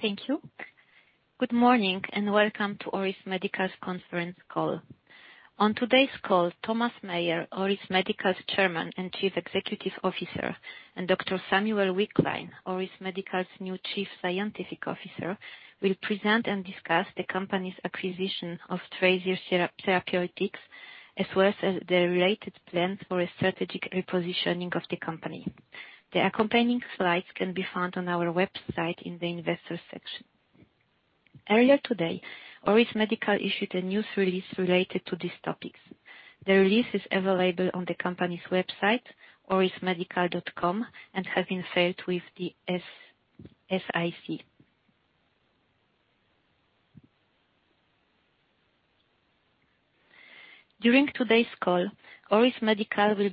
Thank you. Good morning, welcome to Altamira Therapeutics's conference call. On today's call, Thomas Meyer, Altamira Therapeutics's Chairman and Chief Executive Officer, and Dr. Samuel A. Wickline, Altamira Therapeutics's new Chief Scientific Officer, will present and discuss the company's acquisition of Trasir Therapeutics, as well as the related plans for a strategic repositioning of the company. The accompanying slides can be found on our website in the investors section. Earlier today, Altamira Therapeutics issued a news release related to these topics. The release is available on the company's website, aurismedical.com, and has been filed with the SEC. During today's call, Altamira Therapeutics will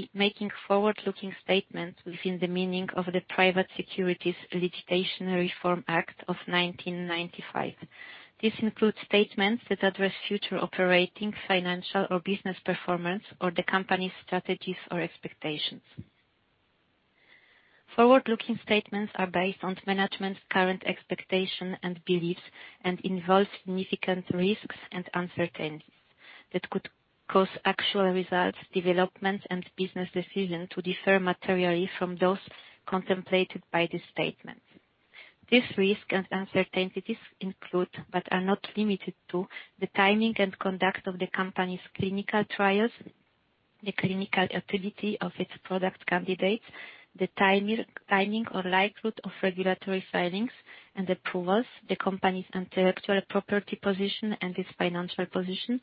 be making forward-looking statements within the meaning of the Private Securities Litigation Reform Act of 1995. This includes statements that address future operating, financial, or business performance, or the company's strategies or expectations. Forward-looking statements are based on management's current expectations and beliefs and involve significant risks and uncertainties that could cause actual results, developments, and business decisions to differ materially from those contemplated by the statement. These risks and uncertainties include, but are not limited to, the timing and conduct of the company's clinical trials, the clinical activity of its product candidates, the timing or likelihood of regulatory filings and approvals, the company's intellectual property position and its financial position,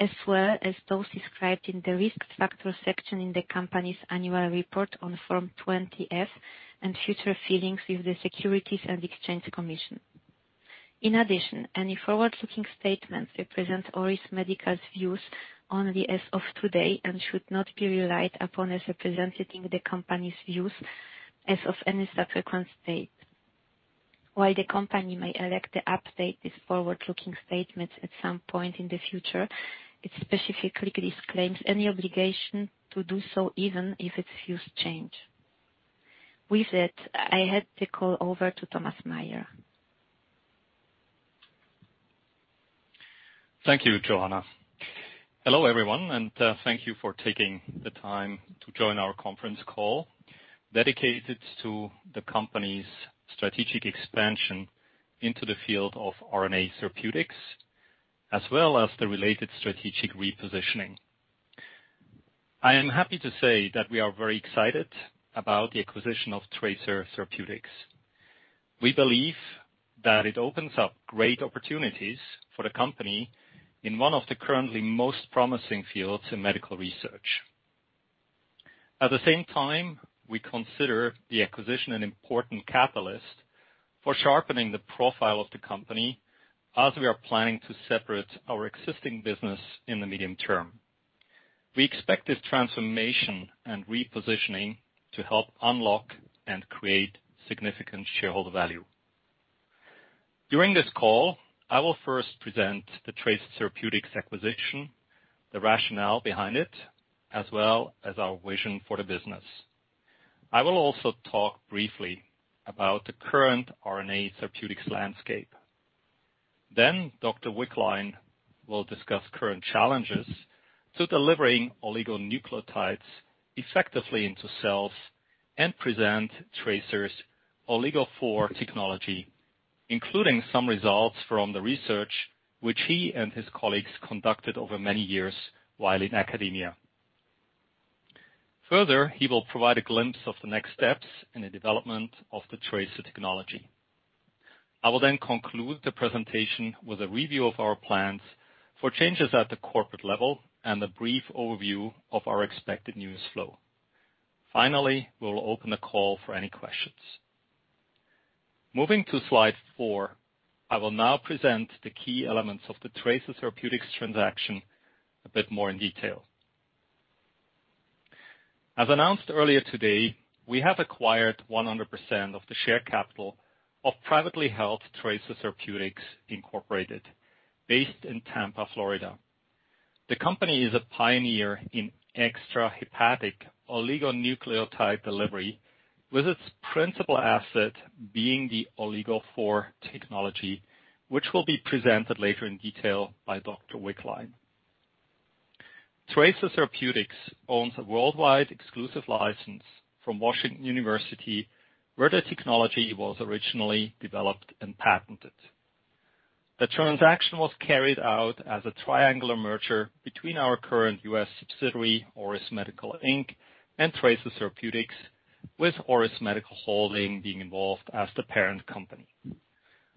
as well as those described in the risk factor section in the company's annual report on Form 20-F and future filings with the Securities and Exchange Commission. In addition, any forward-looking statements represent Auris Medical's views only as of today and should not be relied upon as representing the company's views as of any subsequent date. While the company may elect to update its forward-looking statements at some point in the future, it specifically disclaims any obligation to do so even if its views change. With that, I hand the call over to Thomas Meyer. Thank you, Joanna. Hello, everyone, and thank you for taking the time to join our conference call dedicated to the company's strategic expansion into the field of RNA therapeutics, as well as the related strategic repositioning. I am happy to say that we are very excited about the acquisition of Trasir Therapeutics. We believe that it opens up great opportunities for the company in one of the currently most promising fields in medical research. At the same time, we consider the acquisition an important catalyst for sharpening the profile of the company as we are planning to separate our existing business in the medium term. We expect this transformation and repositioning to help unlock and create significant shareholder value. During this call, I will first present the Trasir Therapeutics acquisition, the rationale behind it, as well as our vision for the business. I will also talk briefly about the current RNA therapeutics landscape. Dr. Wickline will discuss current challenges to delivering oligonucleotides effectively into cells and present Trasir's OligoPhore technology, including some results from the research which he and his colleagues conducted over many years while in academia. He will provide a glimpse of the next steps in the development of the Trasir technology. I will then conclude the presentation with a review of our plans for changes at the corporate level and a brief overview of our expected news flow. We'll open the call for any questions. Moving to slide four. I will now present the key elements of the Trasir Therapeutics transaction a bit more in detail. As announced earlier today, we have acquired 100% of the share capital of privately held Trasir Therapeutics, Inc., based in Tampa, Florida. The company is a pioneer in extrahepatic oligonucleotide delivery, with its principal asset being the OligoPhore technology, which will be presented later in detail by Dr. Wickline. Trasir Therapeutics owns a worldwide exclusive license from Washington University, where the technology was originally developed and patented. The transaction was carried out as a triangular merger between our current U.S. subsidiary, Auris Medical Inc., and Trasir Therapeutics, with Auris Medical Holding being involved as the parent company.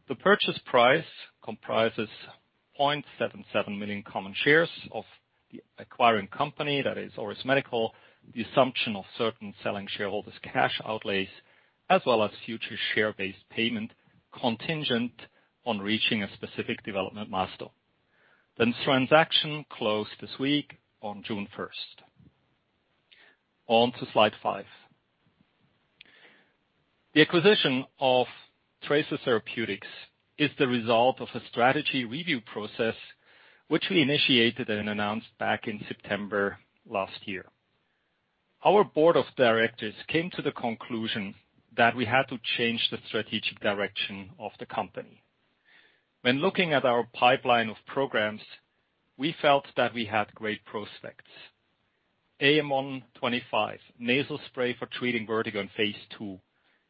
The purchase price comprises 0.77 million common shares of the acquiring company, that is Auris Medical, the assumption of certain selling shareholders cash outlays, as well as future share-based payment contingent on reaching a specific development milestone. The transaction closed this week on June 1st. On to slide five. The acquisition of Trasir Therapeutics is the result of a strategy review process which we initiated and announced back in September last year. Our board of directors came to the conclusion that we had to change the strategic direction of the company. When looking at our pipeline of programs, we felt that we had great prospects. AM-125, nasal spray for treating vertigo in phase II,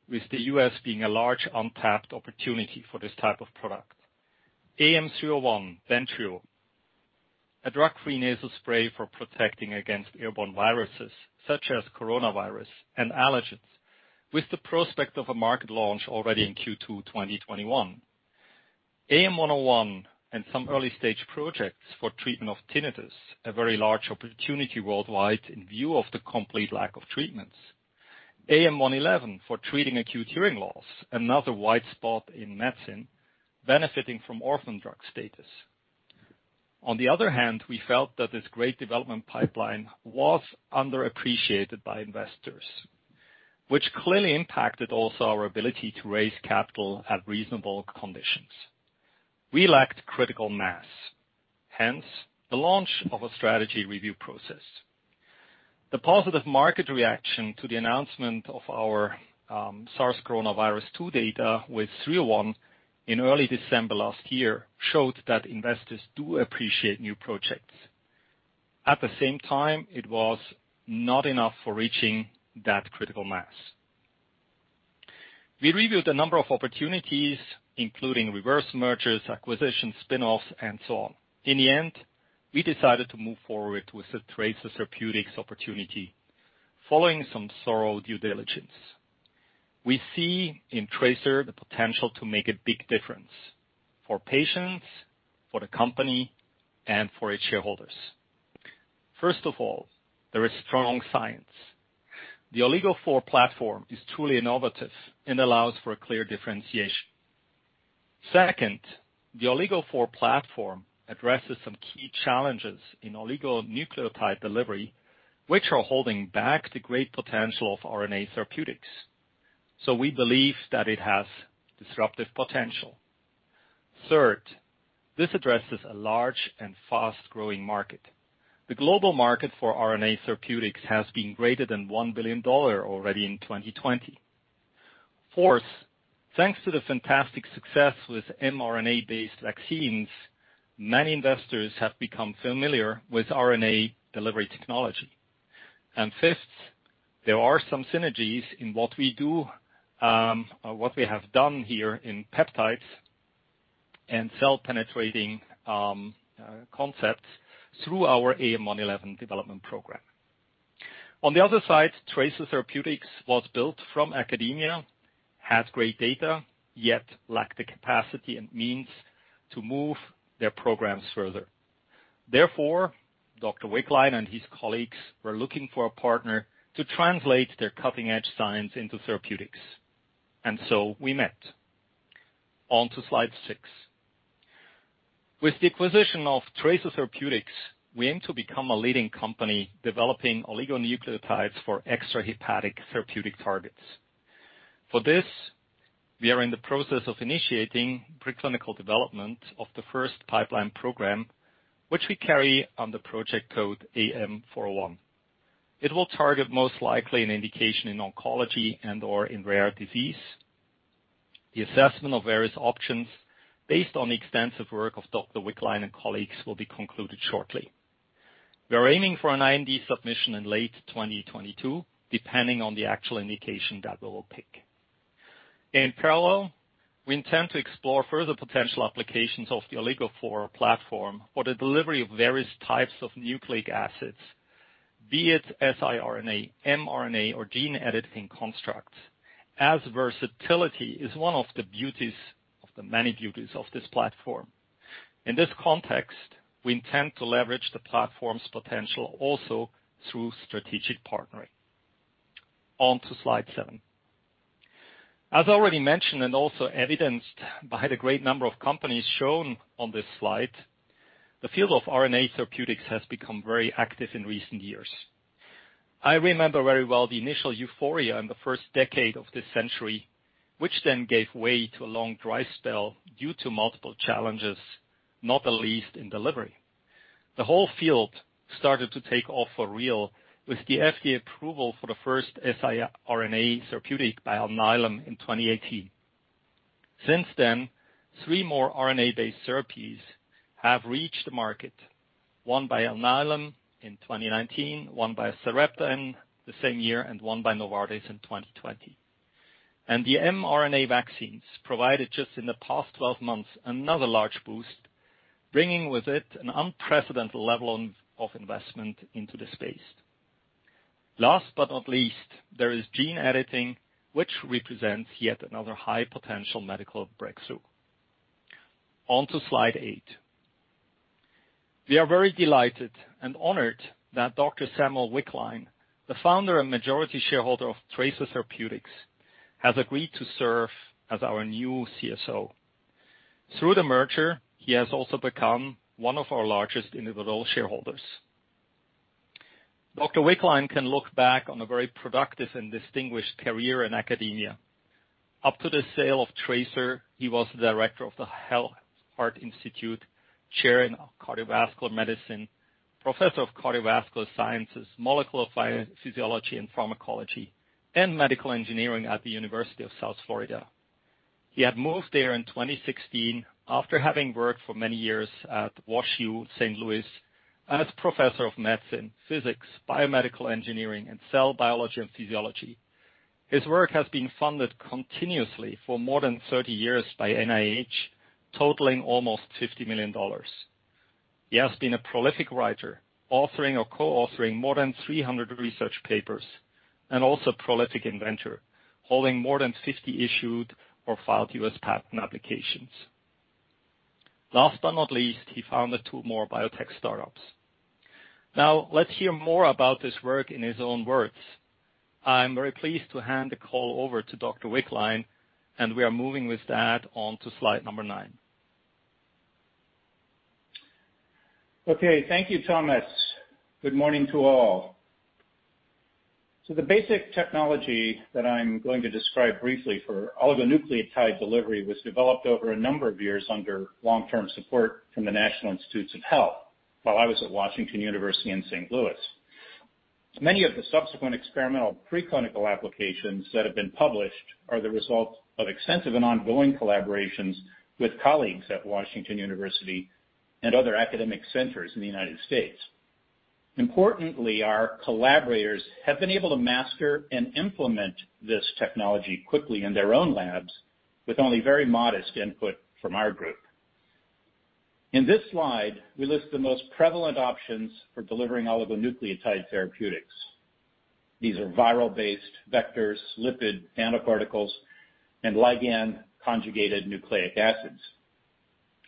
with the U.S. being a large untapped opportunity for this type of product. AM-301, Bentrio, a drug-free nasal spray for protecting against airborne viruses such as coronavirus and allergens, with the prospect of a market launch already in Q2 2021. AM-101 and some early-stage projects for treatment of tinnitus, a very large opportunity worldwide in view of the complete lack of treatments. AM-111 for treating acute hearing loss, another wide spot in medicine benefiting from orphan drug status. On the other hand, we felt that this great development pipeline was underappreciated by investors, which clearly impacted also our ability to raise capital at reasonable conditions. We lacked critical mass, hence the launch of a strategy review process. The positive market reaction to the announcement of our SARS coronavirus 2 data with AM-301 in early December last year showed that investors do appreciate new projects. It was not enough for reaching that critical mass. We reviewed a number of opportunities, including reverse mergers, acquisitions, spinoffs, and so on. We decided to move forward with the Trasir Therapeutics opportunity following some thorough due diligence. We see in Trasir the potential to make a big difference for patients, for the company, and for its shareholders. There is strong science. The OligoPhore platform is truly innovative and allows for clear differentiation. Second, the OligoPhore platform addresses some key challenges in oligonucleotide delivery, which are holding back the great potential of RNA therapeutics. We believe that it has disruptive potential. Third, this addresses a large and fast-growing market. The global market for RNA therapeutics has been greater than $1 billion already in 2020. Fourth, thanks to the fantastic success with mRNA-based vaccines, many investors have become familiar with RNA delivery technology. Fifth, there are some synergies in what we do, what we have done here in peptides and cell-penetrating concepts through our AM-111 development program. On the other side, Trasir Therapeutics was built from academia, had great data, yet lacked the capacity and means to move their programs further. Therefore, Dr. Wickline and his colleagues were looking for a partner to translate their cutting-edge science into therapeutics. We met. On to slide six. With the acquisition of Trasir Therapeutics, we aim to become a leading company developing oligonucleotides for extrahepatic therapeutic targets. For this, we are in the process of initiating preclinical development of the first pipeline program, which we carry under project code AM-401. It will target most likely an indication in oncology and/or in rare disease. The assessment of various options based on the extensive work of Dr. Wickline and colleagues will be concluded shortly. We're aiming for an IND submission in late 2022, depending on the actual indication that we will pick. In parallel, we intend to explore further potential applications of the OligoPhore platform for the delivery of various types of nucleic acids, be it siRNA, mRNA, or gene-editing constructs, as versatility is one of the beauties, of the many beauties of this platform. In this context, we intend to leverage the platform's potential also through strategic partnering. On to slide seven. As already mentioned and also evidenced by the great number of companies shown on this slide, the field of RNA therapeutics has become very active in recent years. I remember very well the initial euphoria in the first decade of this century, which then gave way to a long dry spell due to multiple challenges, not the least in delivery. The whole field started to take off for real with the FDA approval for the first siRNA therapeutic by Alnylam in 2018. Since, three more RNA-based therapies have reached the market. One by Alnylam in 2019, one by Sarepta in the same year, and one by Novartis in 2020. The mRNA vaccines provided just in the past 12 months, another large boost, bringing with it an unprecedented level of investment into the space. Last but not least, there is gene editing, which represents yet another high-potential medical breakthrough. On to slide eight. We are very delighted and honored that Dr. Samuel Wickline, the founder and majority shareholder of Trasir Therapeutics, has agreed to serve as our new CSO. Through the merger, he has also become one of our largest individual shareholders. Dr. Wickline can look back on a very productive and distinguished career in academia. Up to the sale of Trasir, he was the Director of the Health Heart Institute, Chair in Cardiovascular Medicine, Professor of Cardiovascular Sciences, Molecular Physiology and Pharmacology, and Medical Engineering at the University of South Florida. He had moved there in 2016 after having worked for many years at WashU, St. Louis as Professor of Medicine, Physics, Biomedical Engineering, and Cell Biology and Physiology. His work has been funded continuously for more than 30 years by NIH, totaling almost $50 million. He has been a prolific writer, authoring or co-authoring more than 300 research papers, and also a prolific inventor, holding more than 50 issued or filed U.S. patent applications. Last but not least, he founded two more biotech startups. Let's hear more about this work in his own words. I'm very pleased to hand the call over to Dr. Wickline, and we are moving with that onto slide number nine. Thank you, Thomas. Good morning to all. The basic technology that I'm going to describe briefly for oligonucleotide delivery was developed over a number of years under long-term support from the National Institutes of Health while I was at Washington University in St. Louis. Many of the subsequent experimental preclinical applications that have been published are the result of extensive and ongoing collaborations with colleagues at Washington University and other academic centers in the U.S. Importantly, our collaborators have been able to master and implement this technology quickly in their own labs with only very modest input from our group. In this slide, we list the most prevalent options for delivering oligonucleotide therapeutics. These are viral-based vectors, lipid nanoparticles, and ligand-conjugated nucleic acids.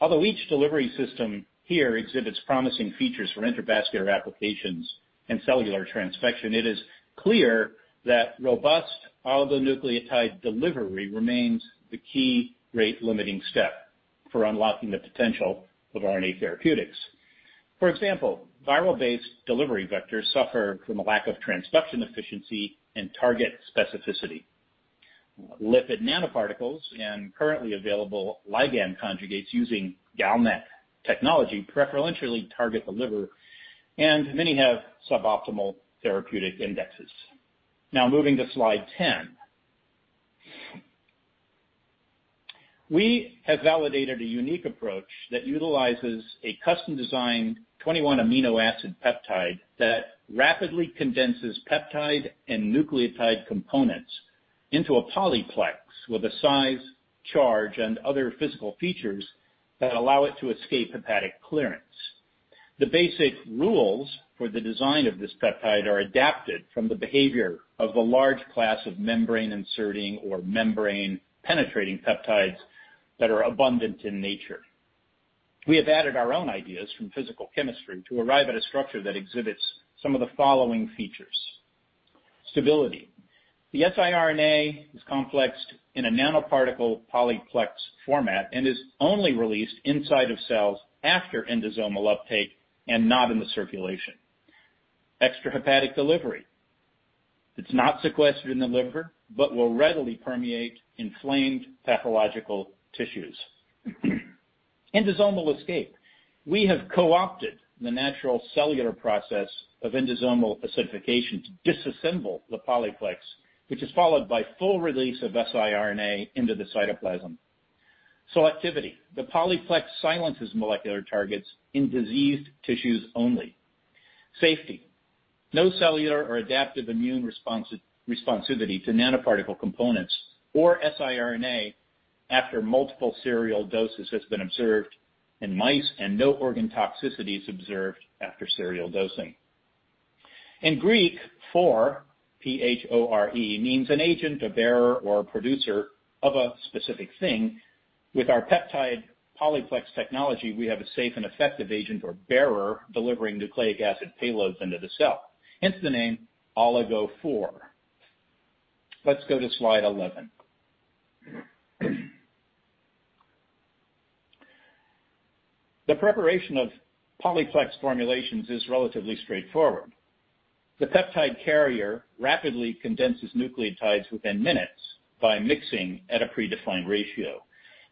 Although each delivery system here exhibits promising features for intravascular applications and cellular transfection, it is clear that robust oligonucleotide delivery remains the key rate-limiting step for unlocking the potential of RNA therapeutics. For example, viral-based delivery vectors suffer from a lack of transduction efficiency and target specificity. Lipid nanoparticles and currently available ligand conjugates using GalNAc technology preferentially target the liver, and many have suboptimal therapeutic indexes. Now moving to slide 10. We have validated a unique approach that utilizes a custom-designed 21 amino acid peptide that rapidly condenses peptide and nucleotide components into a polyplex with a size, charge, and other physical features that allow it to escape hepatic clearance. The basic rules for the design of this peptide are adapted from the behavior of a large class of membrane-inserting or membrane-penetrating peptides that are abundant in nature. We have added our own ideas from physical chemistry to arrive at a structure that exhibits some of the following features. Stability. The siRNA is complexed in a nanoparticle polyplex format and is only released inside of cells after endosomal uptake and not in the circulation. Extrahepatic delivery. It's not sequestered in the liver but will readily permeate inflamed pathological tissues. Endosomal escape. We have co-opted the natural cellular process of endosomal acidification to disassemble the polyplex, which is followed by full release of siRNA into the cytoplasm. Selectivity. The polyplex silences molecular targets in diseased tissues only. Safety. No cellular or adaptive immune responsivity to nanoparticle components or siRNA after multiple serial doses has been observed in mice, and no organ toxicity is observed after serial dosing. In Greek, phore, P-H-O-R-E, means an agent, a bearer, or a producer of a specific thing. With our peptide polyplex technology, we have a safe and effective agent or bearer delivering nucleic acid payloads into the cell, hence the name OligoPhore. Let's go to slide 11. The preparation of polyplex formulations is relatively straightforward. The peptide carrier rapidly condenses nucleotides within minutes by mixing at a predefined ratio.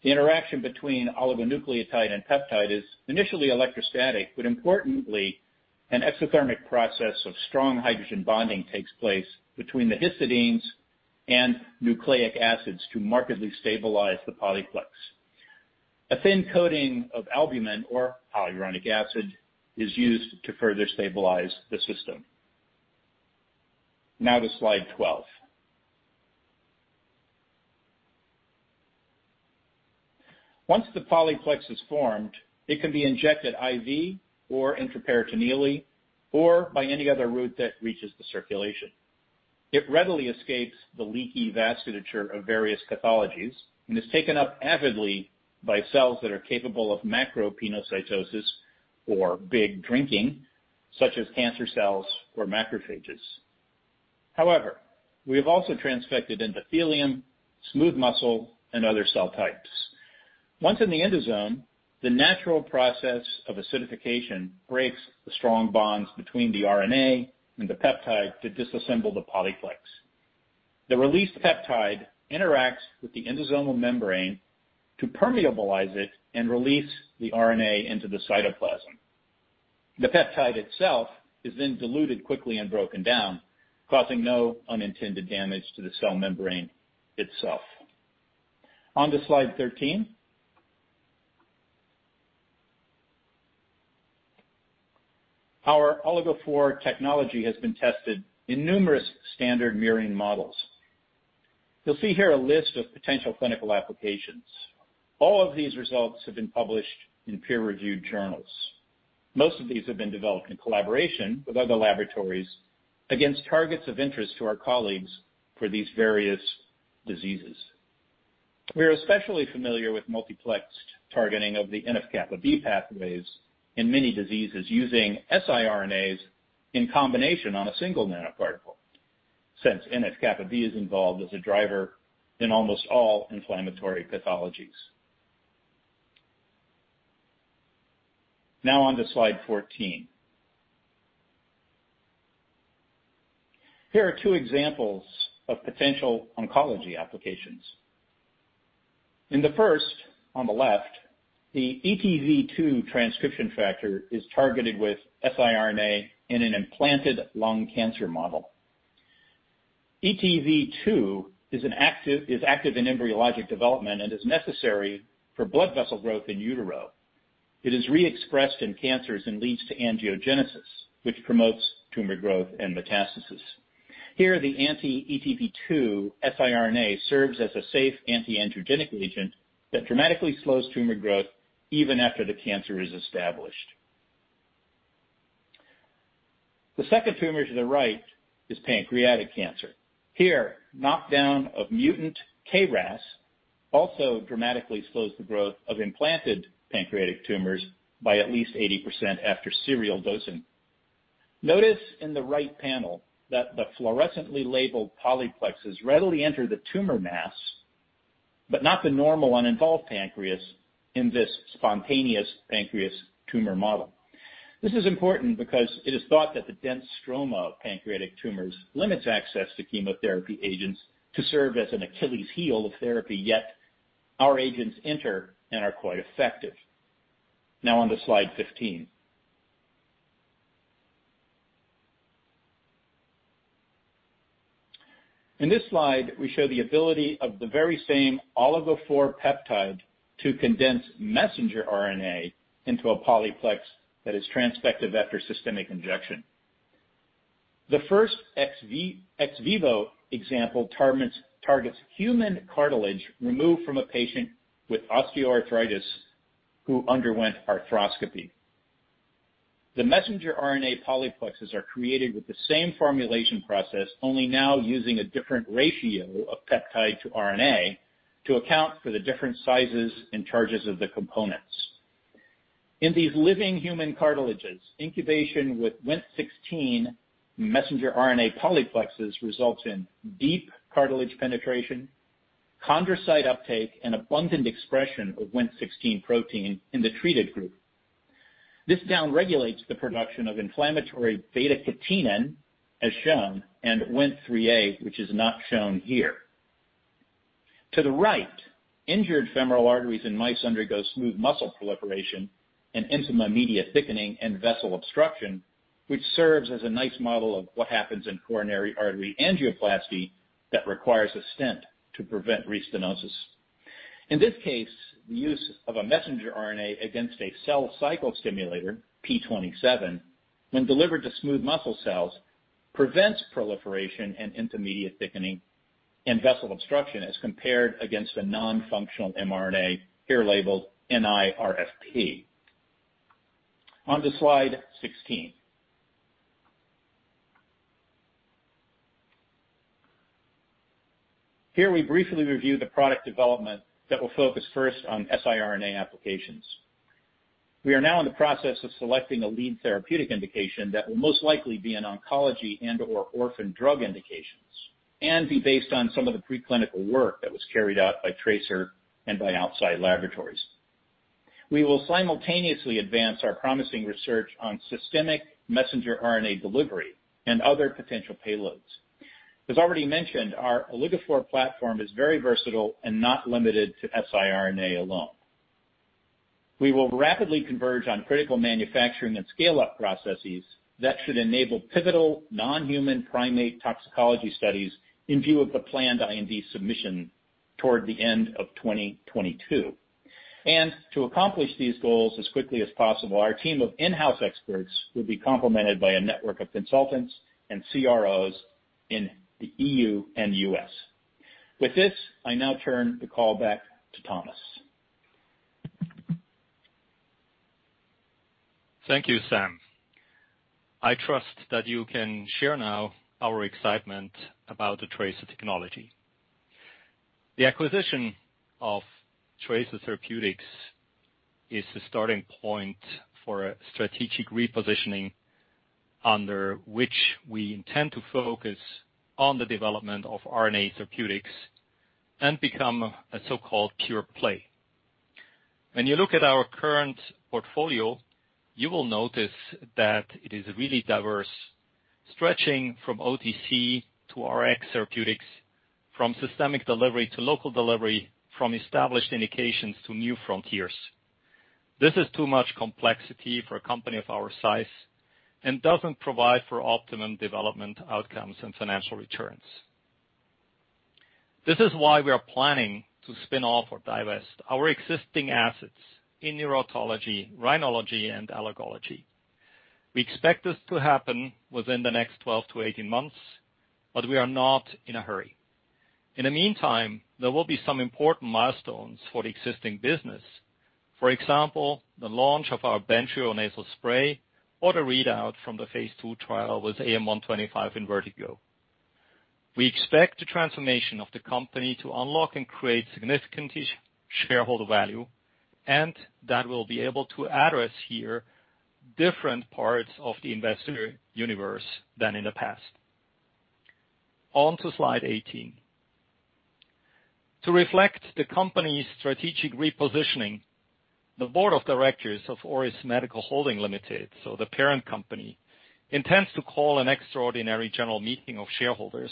The interaction between oligonucleotide and peptide is initially electrostatic, but importantly, an exothermic process of strong hydrogen bonding takes place between the histidines and nucleic acids to markedly stabilize the polyplex. A thin coating of albumin or hyaluronic acid is used to further stabilize the system. Now to slide 12. Once the polyplex is formed, it can be injected IV or intraperitoneally or by any other route that reaches the circulation. It readily escapes the leaky vasculature of various pathologies and is taken up avidly by cells that are capable of macropinocytosis, or big drinking, such as cancer cells or macrophages. However, we have also transfected endothelium, smooth muscle, and other cell types. Once in the endosome, the natural process of acidification breaks the strong bonds between the RNA and the peptide to disassemble the polyplex. The released peptide interacts with the endosomal membrane to permeabilize it and release the RNA into the cytoplasm. The peptide itself is then diluted quickly and broken down, causing no unintended damage to the cell membrane itself. On to slide 13. Our OligoPhore technology has been tested in numerous standard murine models. You'll see here a list of potential clinical applications. All of these results have been published in peer-reviewed journals. Most of these have been developed in collaboration with other laboratories against targets of interest to our colleagues for these various diseases. We are especially familiar with multiplexed targeting of the NF-κB pathways in many diseases using siRNAs in combination on a single nanoparticle, since NF-κB is involved as a driver in almost all inflammatory pathologies. On to slide 14. Here are two examples of potential oncology applications. In the first, on the left, the ETV2 transcription factor is targeted with siRNA in an implanted lung cancer model. ETV2 is active in embryologic development and is necessary for blood vessel growth in utero. It is re-expressed in cancers and leads to angiogenesis, which promotes tumor growth and metastasis. Here, the anti-ETV2 siRNA serves as a safe antiangiogenic agent that dramatically slows tumor growth even after the cancer is established. The second tumor to the right is pancreatic cancer. Here, knockdown of mutant KRAS also dramatically slows the growth of implanted pancreatic tumors by at least 80% after serial dosing. Notice in the right panel that the fluorescently labeled polyplexes readily enter the tumor mass, but not the normal uninvolved pancreas in this spontaneous pancreas tumor model. This is important because it is thought that the dense stroma of pancreatic tumors limits access to chemotherapy agents to serve as an Achilles heel of therapy, yet our agents enter and are quite effective. On to slide 15. In this slide, we show the ability of the very same OligoPhore peptide to condense messenger RNA into a polyplex that is transfected after systemic injection. The first ex vivo example targets human cartilage removed from a patient with osteoarthritis who underwent arthroscopy. The messenger RNA polyplexes are created with the same formulation process, only now using a different ratio of peptide to RNA to account for the different sizes and charges of the components. In these living human cartilages, incubation with WNT16 messenger RNA polyplexes results in deep cartilage penetration, chondrocyte uptake, and abundant expression of WNT16 protein in the treated group. This down-regulates the production of inflammatory β-catenin, as shown, and WNT3a, which is not shown here. To the right, injured femoral arteries in mice undergo smooth muscle proliferation and intimal-media thickening and vessel obstruction, which serves as a nice model of what happens in coronary artery angioplasty that requires a stent to prevent restenosis. In this case, the use of a messenger RNA against a cell cycle stimulator, P27, when delivered to smooth muscle cells, prevents proliferation and intimal media thickening and vessel obstruction as compared against a non-functional mRNA here labeled miRFP. On to slide 16. Here we briefly review the product development that will focus first on siRNA applications. We are now in the process of selecting a lead therapeutic indication that will most likely be in oncology and/or orphan drug indications and be based on some of the preclinical work that was carried out by Trasir and by outside laboratories. We will simultaneously advance our promising research on systemic messenger RNA delivery and other potential payloads. As already mentioned, our OligoPhore platform is very versatile and not limited to siRNA alone. We will rapidly converge on critical manufacturing and scale-up processes that should enable pivotal non-human primate toxicology studies in view of the planned IND submission toward the end of 2022. To accomplish these goals as quickly as possible, our team of in-house experts will be complemented by a network of consultants and CROs in the EU and U.S. With this, I now turn the call back to Thomas. Thank you, Sam. I trust that you can share now our excitement about the Trasir technology. The acquisition of Trasir Therapeutics is the starting point for a strategic repositioning under which we intend to focus on the development of RNA therapeutics and become a so-called cure play. You look at our current portfolio, you will notice that it is really diverse, stretching from OTC to RX therapeutics, from systemic delivery to local delivery, from established indications to new frontiers. This is too much complexity for a company of our size and doesn't provide for optimum development outcomes and financial returns. This is why we are planning to spin off or divest our existing assets in neurotology, rhinology, and allergology. We expect this to happen within the next 12-18 months, we are not in a hurry. In the meantime, there will be some important milestones for the existing business. For example, the launch of our Bentrio nasal spray or the readout from the phase II trial with AM-125 in vertigo. We expect the transformation of the company to unlock and create significant shareholder value, and that we'll be able to address here different parts of the investor universe than in the past. On to slide 18. To reflect the company's strategic repositioning, the board of directors of Auris Medical Holding Ltd., so the parent company, intends to call an extraordinary general meeting of shareholders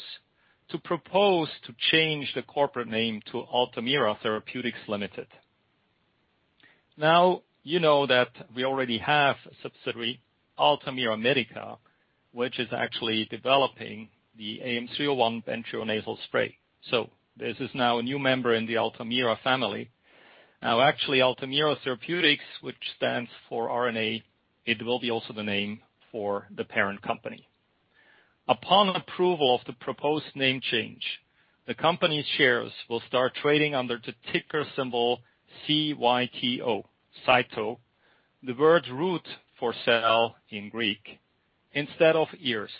to propose to change the corporate name to Altamira Therapeutics Ltd.. You know that we already have a subsidiary, Altamira Medica, which is actually developing the AM-301 Bentrio nasal spray. This is now a new member in the Altamira family. Actually Altamira Therapeutics, which stands for RNA, it will be also the name for the parent company. Upon approval of the proposed name change, the company shares will start trading under the ticker symbol CYTO, Cyto, the word root for cell in Greek, instead of ears.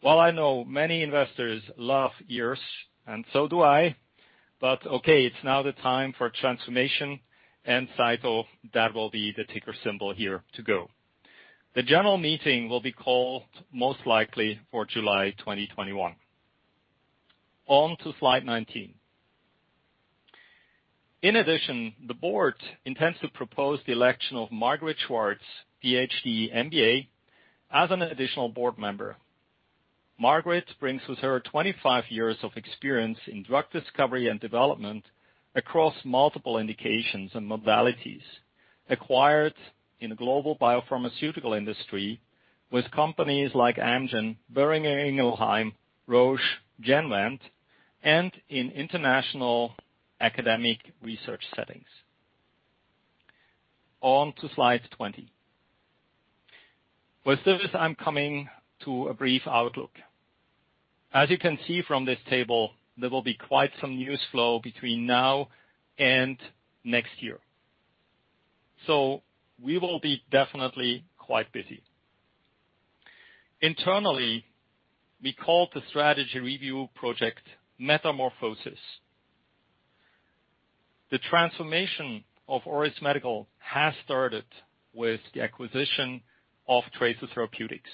While I know many investors love ears, and so do I, but okay, it's now the time for transformation and Cyto, that will be the ticker symbol here to go. The general meeting will be called most likely for July 2021. On to slide 19. In addition, the board intends to propose the election of Margret Schwarz, PhD MBA, as an additional board member. Margret brings with her 25 years of experience in drug discovery and development across multiple indications and modalities acquired in the global biopharmaceutical industry with companies like Amgen, Boehringer Ingelheim, Roche, Genentech, and in international academic research settings. On to slide 20. With this, I'm coming to a brief outlook. As you can see from this table, there will be quite some news flow between now and next year. We will be definitely quite busy. Internally, we called the strategy review project Metamorphosis. The transformation of Auris Medical has started with the acquisition of Trasir Therapeutics.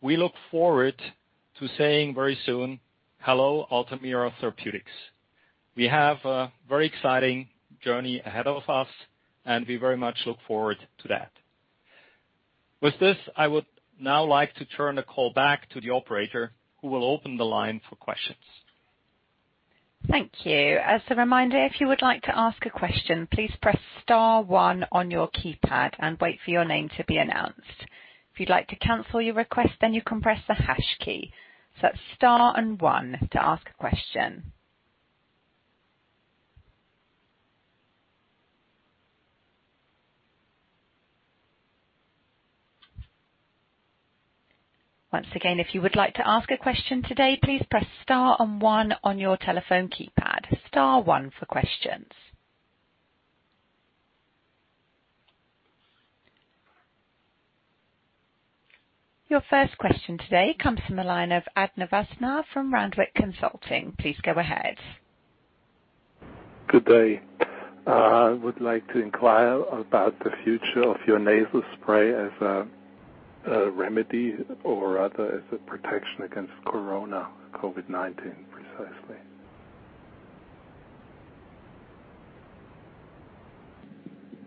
We look forward to saying very soon, "Hello, Altamira Therapeutics." We have a very exciting journey ahead of us, and we very much look forward to that. With this, I would now like to turn the call back to the operator, who will open the line for questions. Thank you. As a reminder, if you would like to ask a question, please press star one on your keypad and wait for your name to be announced. If you'd like to cancel your request, then you can press the hash key. Press star and one to ask a question. Once again, if you would like to ask a question today, please press star and one on your telephone keypad. Star one for questions. Your first question today comes from the line of Abner Vasnar from Randwick Consulting. Please go ahead. Good day. I would like to inquire about the future of your nasal spray as a remedy or rather as a protection against corona, COVID-19 precisely.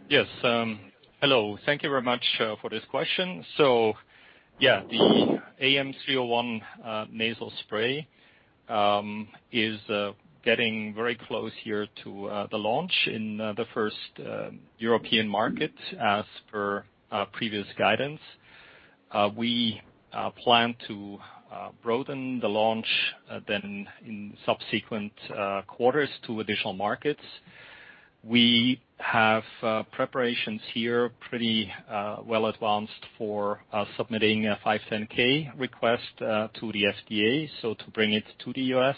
Yes. Hello. Thank you very much for this question. The AM-301 nasal spray is getting very close here to the launch in the first European market as per previous guidance. We plan to broaden the launch then in subsequent quarters to additional markets. We have preparations here pretty well advanced for submitting a 510 request to the FDA, so to bring it to the U.S.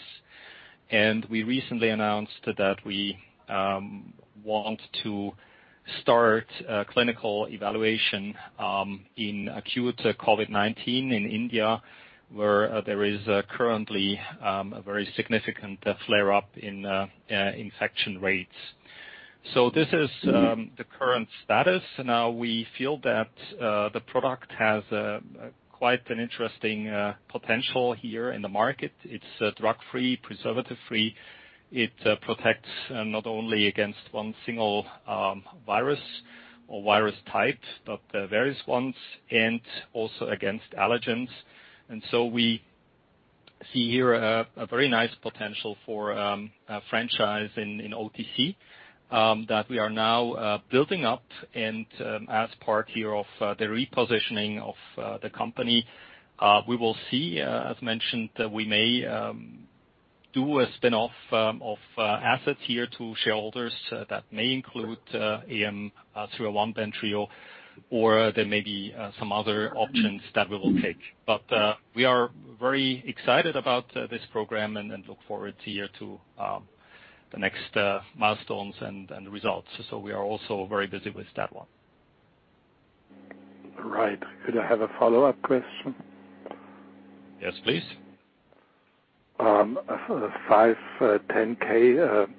We recently announced that we want to start clinical evaluation in acute COVID-19 in India, where there is currently a very significant flare-up in infection rates. This is the current status. Now we feel that the product has quite an interesting potential here in the market. It's drug-free, preservative-free. It protects not only against one single virus or virus type, but various ones, and also against allergens. We see here a very nice potential for a franchise in OTC that we are now building up and as part here of the repositioning of the company. We will see, as mentioned, that we may do a spin-off of assets here to shareholders that may include AM-401, or there may be some other options that we will take. We are very excited about this program and then look forward here to the next milestones and results. We are also very busy with that one. Right. Could I have a follow-up question? Yes, please. A 510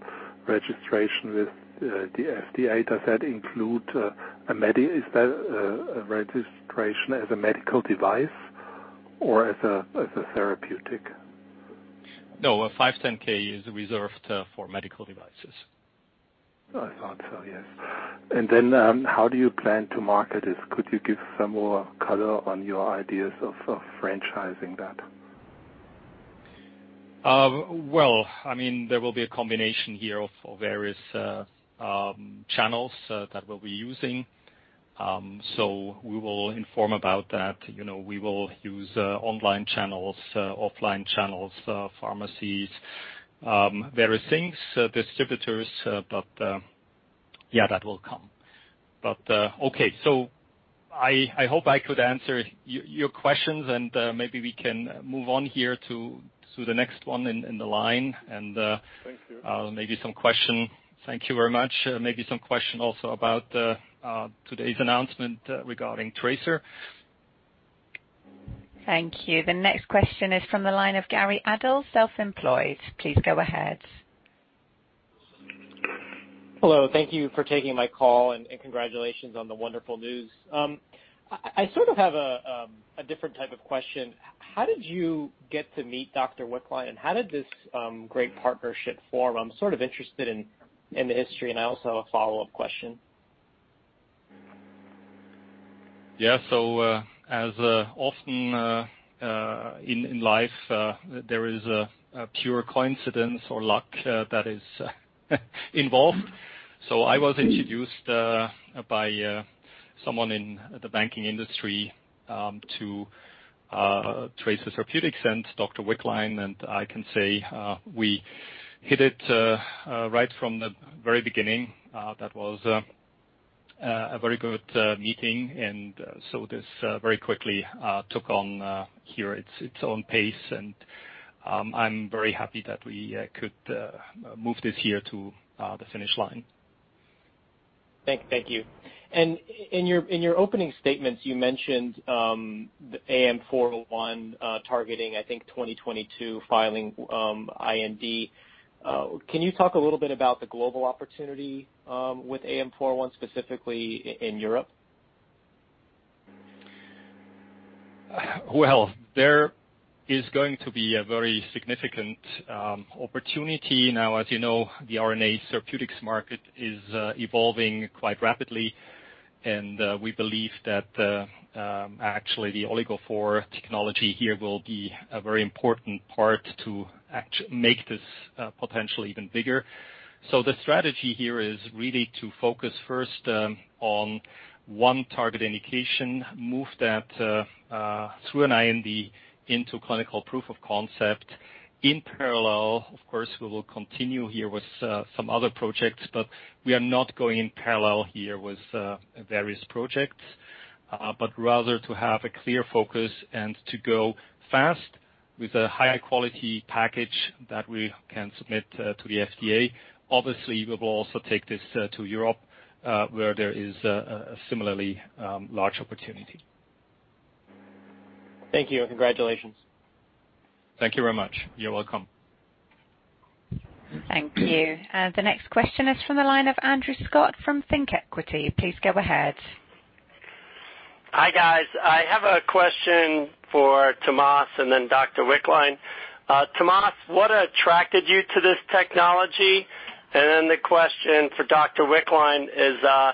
registration with the FDA, is that a registration as a medical device or as a therapeutic? No, a 510 is reserved for medical devices. I thought so, yes. How do you plan to market this? Could you give some more color on your ideas of franchising that? Well, there will be a combination here of various channels that we'll be using. We will inform about that. We will use online channels, offline channels, pharmacies, various things, distributors. Yeah, that will come. Okay, I hope I could answer your questions, and maybe we can move on here to the next one in the line. Thank you. Thank you very much. Maybe some question also about today's announcement regarding Trasir Therapeutics. Thank you. The next question is from the line of Gary Adles, self-employed. Please go ahead. Hello. Thank you for taking my call and congratulations on the wonderful news. I sort of have a different type of question. How did you get to meet Dr. Wickline, and how did this great partnership form? I'm sort of interested in the history, and I also have a follow-up question. Yeah, as often in life, there is a pure coincidence or luck that is involved. I was introduced by someone in the banking industry to Trasir Therapeutics and Dr. Wickline, and I can say we hit it right from the very beginning. That was a very good meeting, this very quickly took on here its own pace, and I'm very happy that we could move this here to the finish line. Thank you. In your opening statements, you mentioned the AM-401 targeting, I think, 2022 filing IND. Can you talk a little bit about the global opportunity with AM-401, specifically in Europe? Well, there is going to be a very significant opportunity. As you know, the RNA therapeutics market is evolving quite rapidly, and we believe that actually the OligoPhore technology here will be a very important part to make this potential even bigger. The strategy here is really to focus first on one target indication, move that through an IND into clinical proof of concept. In parallel, of course, we will continue here with some other projects, we are not going in parallel here with various projects. Rather to have a clear focus and to go fast with a high-quality package that we can submit to the FDA. We will also take this to Europe, where there is a similarly large opportunity. Thank you, and congratulations. Thank you very much. You're welcome. Thank you. The next question is from the line of Andrew Scott from ThinkEquity. Please go ahead. Hi, guys. I have a question for Thomas and then Dr. Wickline. Thomas, what attracted you to this technology? The question for Dr. Wickline is, the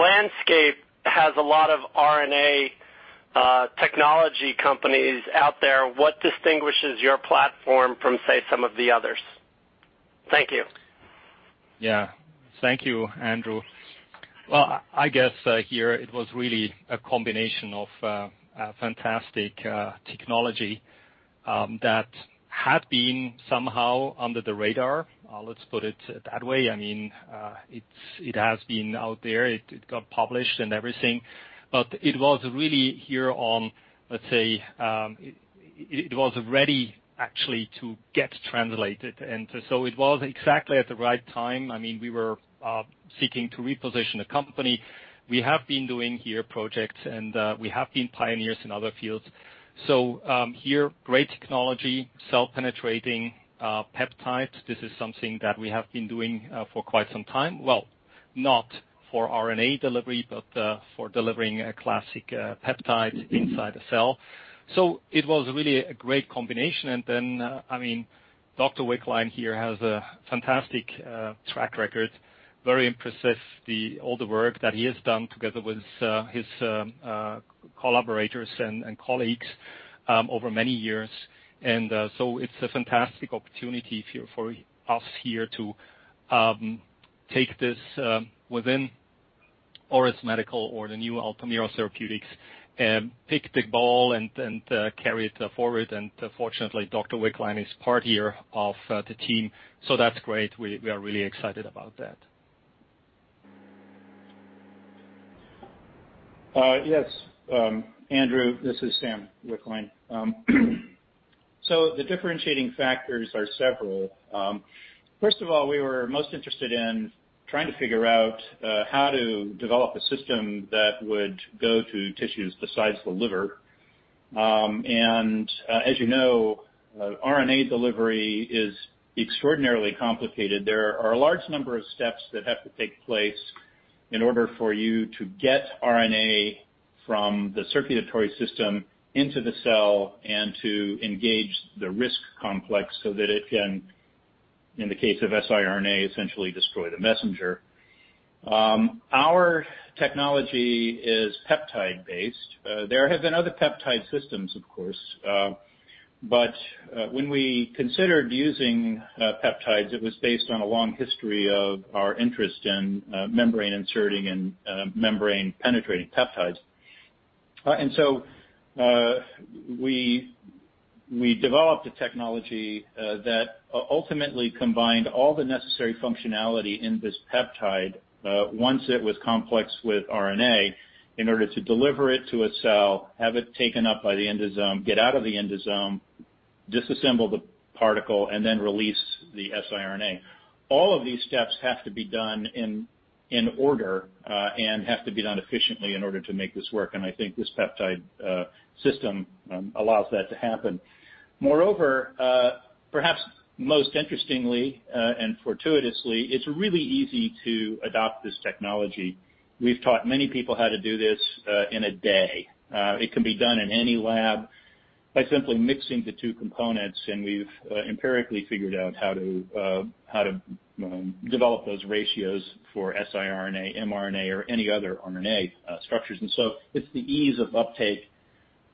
landscape has a lot of RNA technology companies out there. What distinguishes your platform from, say, some of the others? Thank you. Thank you, Andrew. Well, I guess here it was really a combination of fantastic technology that had been somehow under the radar. Let's put it that way. It has been out there. It got published and everything. It was ready actually to get translated. It was exactly at the right time. We were seeking to reposition the company. We have been doing here projects, and we have been pioneers in other fields. Here, great technology, cell-penetrating peptides. This is something that we have been doing for quite some time. Well, not for RNA delivery, but for delivering a classic peptide inside a cell. It was really a great combination. Dr. Wickline here has a fantastic track record, very impressive, all the work that he has done together with his collaborators and colleagues over many years. It's a fantastic opportunity for us here to take this within Auris Medical or the new Altamira Therapeutics, take the ball and carry it forward. Fortunately, Dr. Wickline is part here of the team. That's great. We are really excited about that. Yes, Andrew, this is Sam Wickline. The differentiating factors are several. First of all, we were most interested in trying to figure out how to develop a system that would go to tissues besides the liver. As you know, RNA delivery is extraordinarily complicated. There are a large number of steps that have to take place in order for you to get RNA from the circulatory system into the cell and to engage the RISC complex so that it can, in the case of siRNA, essentially destroy the messenger. Our technology is peptide-based. There have been other peptide systems, of course, but when we considered using peptides, it was based on a long history of our interest in membrane-inserting and membrane-penetrating peptides. We developed a technology that ultimately combined all the necessary functionality in this peptide, once it was complexed with RNA, in order to deliver it to a cell, have it taken up by the endosome, get out of the endosome, disassemble the particle, and then release the siRNA. All of these steps have to be done in order and have to be done efficiently in order to make this work, and I think this peptide system allows that to happen. Moreover, perhaps most interestingly and fortuitously, it's really easy to adopt this technology. We've taught many people how to do this in a day. It can be done in any lab by simply mixing the two components, and we've empirically figured out how to develop those ratios for siRNA, mRNA, or any other RNA structures. It's the ease of uptake,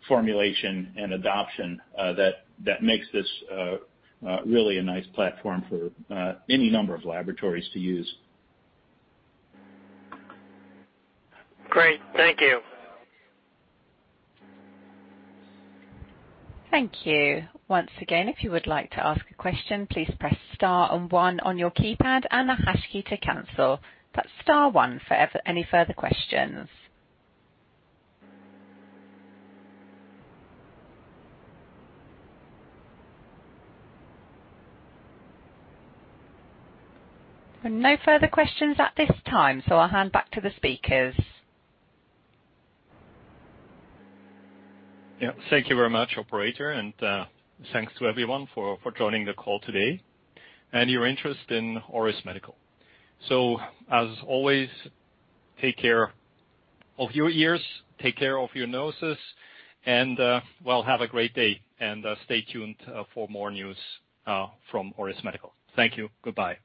formulation, and adoption that makes this really a nice platform for any number of laboratories to use. Great. Thank you. Thank you. Once again, if you would like to ask a question, please press star one on your keypad and the hash key to cancel. Press star one for any further questions. No further questions at this time, so I'll hand back to the speakers. Thank you very much, operator, and thanks to everyone for joining the call today and your interest in Auris Medical. As always, take care of your ears, take care of your noses, and well, have a great day, and stay tuned for more news from Auris Medical. Thank you. Goodbye